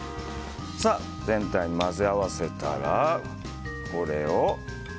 全体に混ぜ合わせたらこれを。